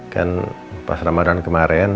kan pas ramadhan kemarin